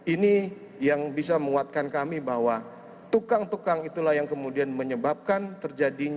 ini yang bisa menguatkan kami bahwa tukang tukang itulah yang kemudian menyebabkan terjadinya